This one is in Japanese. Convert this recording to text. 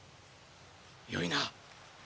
よいな。